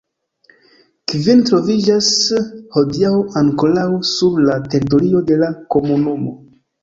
Kvin troviĝas hodiaŭ ankoraŭ sur la teritorio de la komunumo.